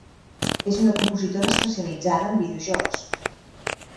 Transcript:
És una compositora especialitzada en videojocs.